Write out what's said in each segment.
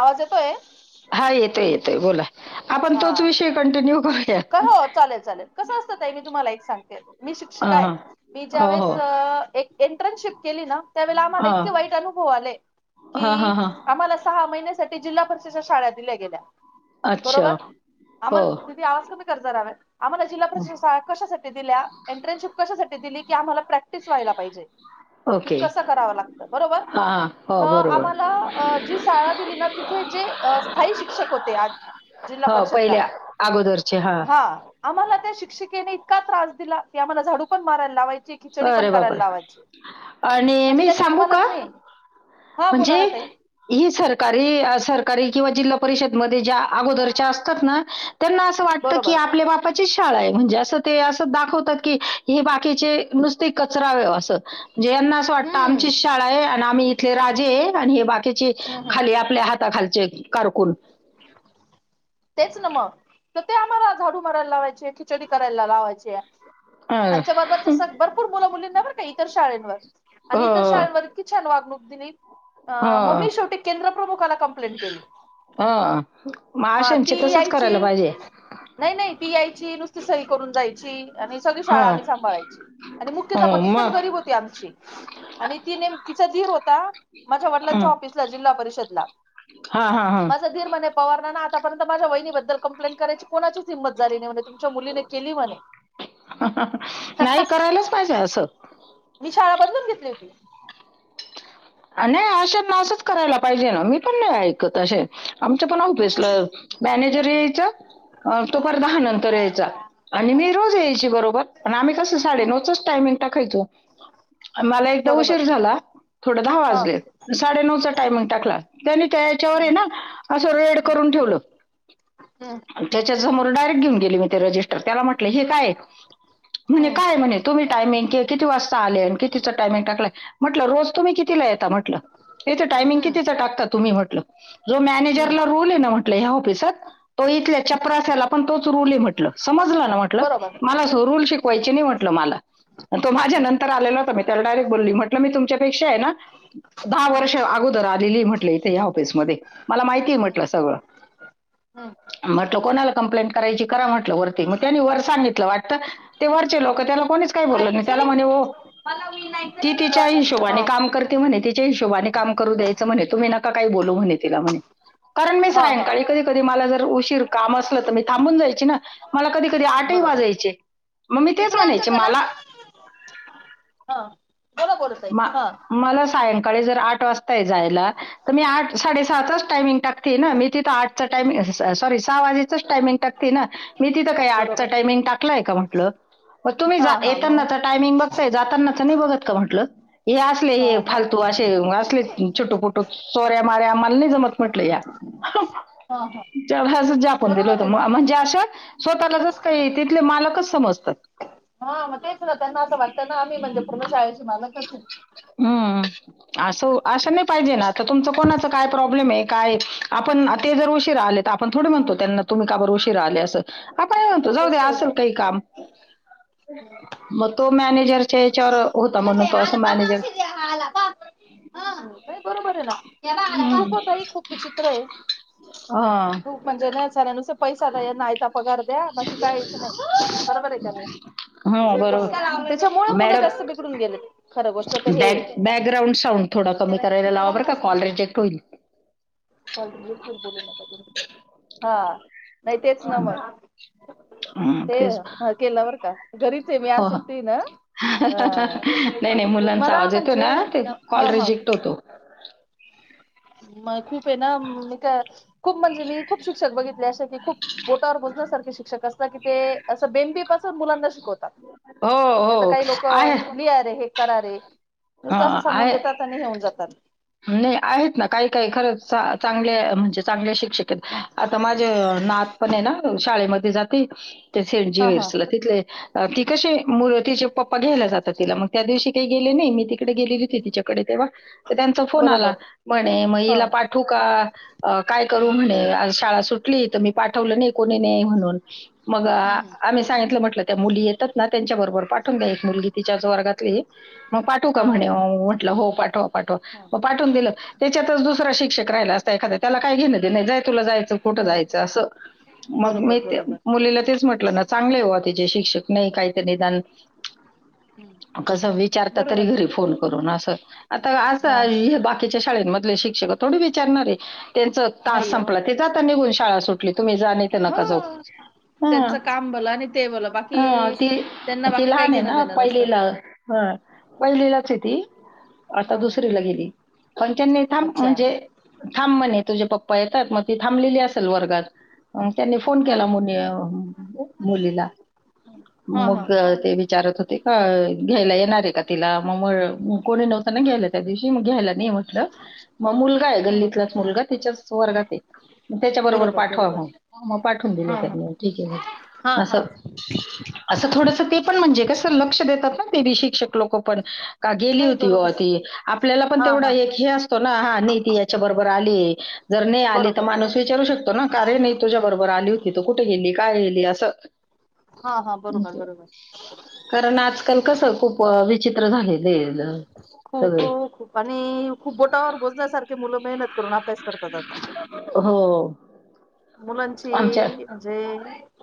आवाज येतोय हा येतोय येतोय बोला आपण हा तोच विषय कंटिन्यू करू काय हो चालेल चालेल कसं असतं मी तुम्हाला एक सांगते मी शिक्षिका हा, हा. आहे मी हो हो ज्यावेेळेस एक इंटर्नशिप केली ना त्यावेळेला आम्हाला हा इतके वाईट अनुभव आले हा हा की हा आम्हाला सहा महिन्यासाठी ते जिल्हा परिषदच्या शाळ दिल्या गेल्या अच्छा हो करज रहा्यात आम्हाला जिल्हा प्रश शाळा कशासाठी दिल्या एंट्रनशिप कशासाठी दिली क आ्हाला प्रॅक्टि व्हाला पाहिजे ओके कस कराव लागत बर हा हा हो बरोबर आम्हाला जी शाळा दिली ना तिथे जेथायी शिक्षक होते आ जिल्हा हो परिषदला पहिल्या अगोदरचे हा आम्हाला त्या शिक्षिकेने का त्रास दिला कीम्हाला झाडू पण मारायला लावाय बरे बापर आणि म्हणजे मी त्यांनी सांगू का आम्हालाच नाही हा बोला ना म्हणजे ताई ह सरकारी सरकारी किंवा जिल्हा परिषदमध्ये ोदर असत त्यां अस वाटत बरोबर क आपल्या बा शाळा आहे म्हणजे असं ते अस दाखवतात की हे बाकीचे नुसते कचरावे असं जे यांना अस वाटतं हम्म आमचीच शाळा आहे आणि आम्ही इथले राजे आहे आणि हे बाकीचे हम्म हम्म खाली आपल्या हात ता खालचे कारकून तेच ना मग तर ते आम्हाला झाडू मारायला लावायचे खिचडी करायला लावायचे हं, त्यांच्या बरोबर तर स भरपूर मुलं मुलींना बर का इतर शाळेांवर आणि इतर हं, शाळांवर किच छान वागणूक दिलेप अ मग हं, मी शेवटी केंद्र प्रमुखाला कंप्लेंट केली हं. मग हा ती अशांचे तसंच यायची करायला पाहिजे. नाही नाही ती यायची नुसती सही करून जायची आणि सगळी शाळा हं, आम्ही सांभाळायची आणि मुख्यध्यापक हं, एकदम मग गरीब होती आमची आणि ती नेम तिचा धीर होत माझ्या हं. वडिलांच्या ऑफिसला जिल्हा परिषदला हां, हां, हां. माझं धीर म्हणे पवारना ना र्ंत माझ्या वहिनीबद्ल कंप्लें करायची कोणाची हिंमत झाली नाही म्ह नाही करायलाच पाहिजे असं मी शाळा [unintelligible] नाही अशंना असंच करायला पाहिजे ना. मी पण नाही ऐकत असे आमच्या पण ऑफिसला हम्म मॅनेजर यायचा. तो फार दहा नंतर यायचा आणि मी रोज यायची बरोबर आणि आम्ही कसं साडेनऊचच टायमिंग टा खयचो. मला एकदा बरोबर उशीर झाला धा हा वाजले साडे नऊचं हम्म टाईमिंग टाकलं त्यांनी त्याच्यावर येना हम्म असं रेड करून ठेवलं. हम्म त्याच्या समोर डायरेक्ट घेऊन गेले मी ते रजिस्ट. त्याला म्हंटले हे काय ये? म्हणे हम्म काय ये म्हणे तुम्ही टाईमिंग के किती वाजता आले आणि कितिचं टामिंग टालाय म्हटलं रोज तुम्ही कितीला येता म्हटलं? हेच टायमिंग हम्म कितींचं टाकतात? तुम्ही म्हटलं जो मॅनेजरला हम्म रुल येना म्ह लेय होपीसात हो इथल्या चपऱ्यांषा्याला पण तोच रुले म्हटलं समजलं ना म्हटलं. बरोबर मला स रुल हम्म शिकवायची नाही म्हटलं मला तो माझ्या हम्म नंतर आलेला होता. मी त्याला डायरेक्ट बोलली म्हटलं मी तुमच्या दहा वर्ष अगोदर आलेली म्हटलं इथे ह्या ऑफिस मधे. मला माहिती हम्म म्हटलं सगळं. हम्म म्हटलं कोणाला कंप्लेंट करायची करा म्हटलं वरती मग त्यानी वर सांगितलं वाटतं. ते वरचे लोक त्याला कोणीच काही बोल नाही त्याला आजी म्हणे ओ मला विनायचं चाळीशी शिकवत वाट हा काम करते म्हणे. तिच्या हिशोबाने काम कर द्यायच म्हणे. तुम्ही नका काही बोलू म्हणे तिला म्हणे कारण मी हा हा सायंकाळी कधी-कधी मला जर उशीर काम असलं कि मी थांबून जायची ना? कधी आठही बरोबर वाजयचे. मग मी तेच इकडे आण ग म्हणायचे त्याला मला हा बोला बोला ताई म हा मला सायंकाळी जर आठ वाजताय जायला तर मी आठ साडे सहाचाच टायमिंग टाकते ना. मी तिथं आठ टायमिंग सॉरी सहा वाजेचाच टायमिंग टाकते ना. मी तिथं काय आटचं बरोबर टामिंग टाक टाकलंय का म्हंटलं? म तुम्ही हा जा हा येतता ना मग तर टायमिंग बघ जाताना च नाही बघत का म्हटलं? हे असले हे हा फालतू मग असे असले छोटू-पोटू चोऱ्या माऱ्या आम्हाला नाही जमत म्हटंल या हा हा पण दिल बरोबर होतं आहे ना म्ह म्हणजे आशात स्वतःलाचच काही तिथले मालकच समजतात हा तेच त्यांना असं वाटत ना आम्ही म्हणजे पूर्ण शाळे मला कच हं. असं नाही पाहिजे ना तुमचं कोणाच काय प्रॉब्लेम आहे काय आपण ते जर उशीर आले तर आपण थोडे म्हणतो त्यांना तुम्ही काबर उशीरा आले असं काय आहे म्हणतो खरी जाऊ गोष्ट आहे ना द्याअसेल काही काम मग तो मॅनेजरच्या याच्यावर होता आला म्हणून बाई तस आला पा मॅनेजर मावशी आला पा नाही बरोबर आहे ना हे बा आला पा हम् खूप होता खूप विचित्र आहे खूप म्हणजे न झाल्यानुसार पैसा का नाहीता पगार द्या बाकी काहीच नाही बरोबर आहे का नाही हो, बरोबर. त्याच्यामुळे मुलं मॅडम जास्त बिघडून गेले खर गोष्ट तर हे बॅक बॅकग्राऊंड साउंड थोडा कमी आहे करायला लावा बरं का, कॉल रिजेक्ट होईल. कॉल रिजेक्ट होईल बोलू नका तुम्ही [inaudible] हा नाही तेच ना मग हं, ते तेच. केल्यावर का घरीच आहे मी आज हो, हो. सुट्टी ना नाही, नाही, अ मुलांचा मला आवाज येतो म्हणजे ना, ते हे कॉल ह रिजेक्ट होतो. मग खूप म्हणजे मी खूप शिक्षक बघितलेत खूप बोटावर मोजण्या इतके शिक्षक असत कि ते असं बिन पेपर चे मुलांना शिकवतात हो हो नाही तर काही लोक आहे लिहा रे हे करा रे नुसतं असं हां, सांगून आहे. देतात आणि हेऊन जातात नाही आहेत ना काही काही खरंच चांगले म्हणजे चांगले शिक्षक आता माझ नात पण आहे ना शाळेमध्ये ती जाती. सेंट हा हा जिवर्सला तिथले कसे म तिचे पप्पा घ्यायला जातात तिला मग त्या दिवशी काही गेले नाही. मी तिकडे गेलेली होती तिच्याकडे तेव्हा फोन आला बरोबर म्हणे मग हा हीला हम्म पाठवु का काय करू म्हणे? शाळा सुटली तर मी पाठवलं नाही. कोणी नाही म्हणून मग हम्म हम्म. आम्ही सांगितलं म्हटलं त्या मुली येतात ना त्यांच्या बरोबर पाठवून द्या. एक मुलगी तिच्याच वर्गातली मग पाठवू का? हा हा म्हणे म्हटलं हो, पाठवा. पाठवा. हा पाठून दिलं. त्याच्यातच दुसरा शिक्षक राहिला असता एखाद्या त्याला काय घेण नाही. तुला जायच कुठं नाही जायचं? नाही. अस मग मी बरोबर बरोबर मुलीला तेच म्हटलं ना, चांगले हो तिचेे शिक्षक. नाही काही तर निदान. हम्म. कस विचारता तरी बरोबर आहे. घरी फोन करून अस आता. हा हा बाकीच्या शाळेमधले शिक शिक्षक थोडी विचारणार आहे. त्यांच तास नाही हो संपला ते आता निघून शाळा सुटली. तुम्ही जा नाहीतर हो नका जाऊ. हम, त्यांचं काम भलं आणि ते भलं बाकी हम! त्यांना ती बाकी काही लहान आहे घेणं ना. देणं नसतं पहिलीला पहिलीलाच आहे ती आता हा दुस हा गेली. पण त्यांनी थांब अच्छा म्हणजे थांब म्हणे. तुझे पप्पा येतात. मग ती थांबलेली असेल वर्गात. त्यांनी फोन हा केला. हा मुनी मुलीला हा हा मग ते विचारत होते. ह, घ्यायला येणार आहे का तिला मग म कोणी नव्हता ना गेलेत. घ्यायला नाहीये म्हटलं, मग मुलगा आहे. हा गल्लीतलाच मुलगा तिच्याच वर्गात ये, मग त्याच्या बरोबर पाठवा मग, मग पाठवून दिलं हा हा त्यांनी, ठीक ये हा मग अस, हा अस थोडसं ते पण म्हणजे लक्ष देता. पाहतात ते बी शिक्षक लोक पण. का गेली नाही होती बरोबर बा ती? आपल्याला पण हा तेवढा हा एक हे असतो ना, हा नाही ती याच्या बरोबर आली. जर नाही आली, तर बरोबर माणूस बरोबर विचारू शकतो ना, कारे नाही तुझ्या बरोबर आली होती तर कुठे गेली? कायली अस हा हा बरोबर बरोबर कारण आजकाल कस खूप प विचित्र झाले. लेलं त खूप [unintelligible] खूप आणि खूप बोटावर बोजण्यासारखे मुलं मेहनत करून अभ्यास करतात आता. हो. आमच्या मुलांची म्हणजे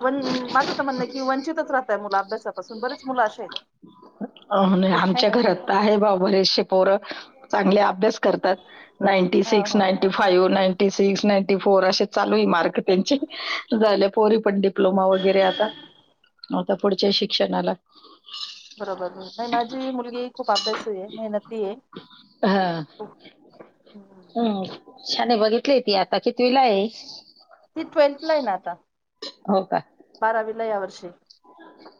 माझं तर म्हणणं की वंचितच राह मूल अभ्यासा. अजून बरेच मुलं असे आहेत. अ नाही आमच्या घरात तर आहे बाबा बरेचसे चांगले अभ्यास. करतात. नाईन्टी हो सिक्स, हो ninety five, ninety ninety six. Ninety four असे चालू आहे मार्क्स त्यांचे. झाल्या पोरी पण डिप्लोमा वगैरे आता. आता पुढच्या शिकषणाला बरोबर. नाय माझी ही मुलगी खूप अभ्यासू आहे, मेहनती आहे हा हम्म. शाने बघितली ती आता कितवीला आहे ती ट्वेल्थ ला आहे ना आता. हो का बारा विला या वर्षी.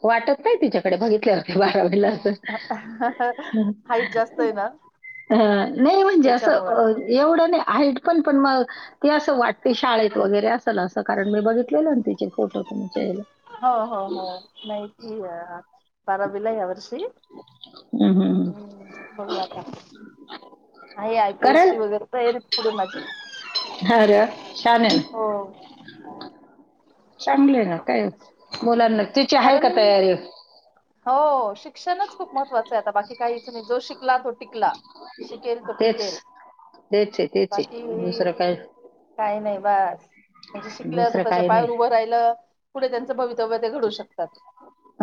वाटत काय तिच्याकडे बघित बारावीला हाईट जास्त आहे ना नाही म्हणजे त्याच्यामुळ असवढं नाहीट पण-पण म त अस वाटते शाळेत वगैरे अस-अस कारण मी बघितलेलं त फोटो तम चला हो-हो-हो माहिती बारावीला या वर्षी् हम्म, हम्म, हम्म. बघता आहे. आयपीएस कारण सी वगैरे तर र पुढे माझी अरे छान आहे ना हो चांगले ना, काय बोला ना, तिची आहे का कारण तयारी श्षणच खूप महत्वां आहे बाकी का जो शिक टिकेल तेच-तेच-तेच हे दुसरं काय नाही, बस, म्हणजे शिकल्या असं दुसरं त्याच्या काय पायावर उभं राहिलं पुढे त्यांचं भवितव्य ते घडू शकतात,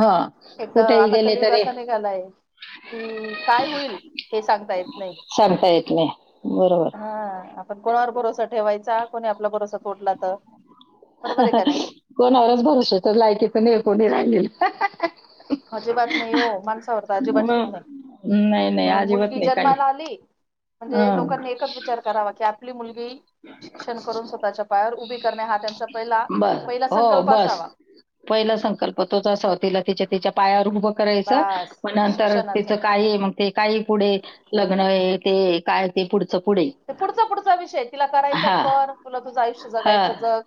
हा एक तर कुठेही आता गेले कलयुग तरी असा निघालाय कि काय होईल हे सांगता येत नाही सांगता येत नाही बरोबर हा आपण कोणावर भरोसा ठेवाय. कोणी आपला बरससा तोटला तर बरोबर आहे का नाही. को नरोज भर, तर लायकी पण हे कोणी राल आजी बात नाही हो माणसावर तर अजिबात म ठेवू नये नाही-नाही म्हणून अजिबात मुलगी नाही काही जन्माला आली म्हणजे हं. लोकांनी एकच विचार करावा की आपली मुलग उभी करणे हा त्यांचा पहिला बर पहिला हो संकल्प बस असावा पहिला संकल्प तोचाव तिला तिचे त्याच्या पायावर उभ करायच बास मग नंतर शिक्षणाचा त्याचं काय मग ते काही पुढे लग्न आहे ते काय ते पुढ तो पुढचा-पुढचा विषय ति लग्न करायच हां. कर, तुला तुझ आयुष्य हां. जगायच जग,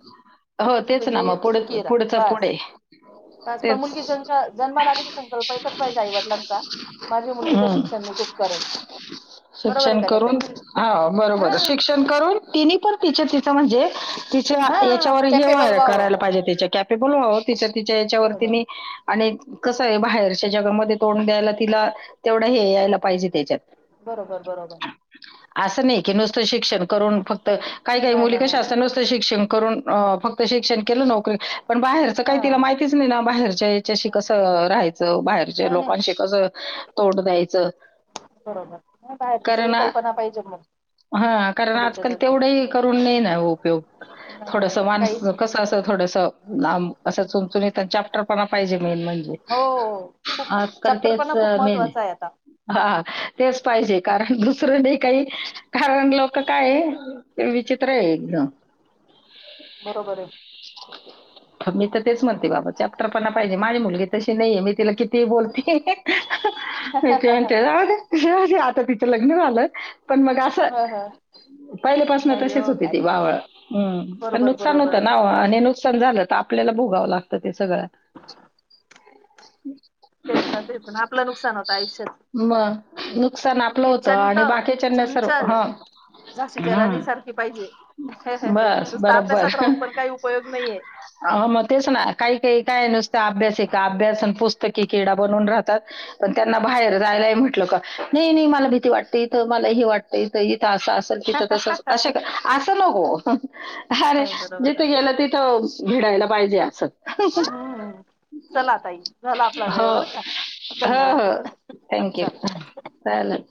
हो तेच ना तुझी-तुझी मग पुढ सुकी राहा, पुढचं पुढे. बस-बस पण तेच. मुलगी जन् जन्माला आली कि संकल्प एकच पाहिजे आई वडिलांचा, माझी मुलीगिच हं. शिक्षण मि खूप करेल बरोबर ये शिक्षण कि नाही करून ताई. हा हा बरोबर शिक्षण करून तिनी पण तिच तिच म्हणजे तिच्या हा ह्याच्यावर हे कॅपेबल व्हाय व्हावं करायला पाहिजे कॅपेबल व्हावं तिच्या तिच्या वर बरोबर तिनी आणि कस आहे बाहेरच्या जगामध्ये तोंड द्यायला तिला तेवढा हे यायला पाहिजे त्याच्यात बरोबर बरोबर आस नाही की नुसत शिक्षण कर तर काही काही नाही मुली नाही कशा नाही असतात नुसत शिक्षण करून अ फक्त शिक्षण केल नोकरी पण बाहेरच हा काही तिला माहितीच नाही ना बाहेरच्या याच्याशी कस राहायच बाहेरच्या नाही नाही लोकांशी कस तोड द्यायच बरोबर नाही बाहेर सगळी अ, कल्पना पाहिजे मग पण तर तेवढाही करून नयी ना उपयोग नाही हो थोडस नाही. माणस काहीच नाही कस असं थोडसम अस चुणचुणीत अन् चापटर पाहिज म्हण म्हणजे हो खूप आजकाल चॅप्टर तेच पण खूप मेन महत्त्वाचा आहे आता हा तेच पाहिजे कार दुसर नाही काही कारण लोक काय ते विचित्र ये एकदम बरोबर ये ख्बे तक तेच म्हणते बाबा चॅप्टर पणा पाहिजे माझी मुलगी तशी नाहीये मी तिला किती कितीही बोलते म्हणते ती म्हणते जाऊदे जाऊदे तिच लग्न झाल पण मग अस ह ह पहिल्यापासन ती नाही हो तशीच होती काय ती बावळट पण बरोबर नुकसान होत बरोबर ना ओ नुकसान झाल त आपल्याला भोगाव लागत ते सगळ तेच ना तेच ना पण आपल नुकसान होत मग नुकसान आपल मुलगी होत चंट आणि बाकीच्याना सर्व चंचल ह झाशीच्या हम राणी सारखी पाहिजे. बस नुसता बरोबबर अभ्यासात राहून पण काही उपयोग नाहीये मग तेच ना काही काही काय नुसत अभ्यासिका अभ्यास पुस्तक ऐकेरडा बनून राहतात पण त्यांना बाहेर जायला म्हटल का नाही नाही मला भीती वाटते इथ मला हे वाटतय इथ अस असेल तिथ तसच असे अस नको हम् ह अरे नाही बरोबर जिथे गेल तिथ भिडायला पाहिजे अस हो हम्म. चला ताई झाला आपला वेळ बर का हो धन्यवाद हो थँक यू चला. चालेल